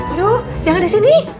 aduh jangan disini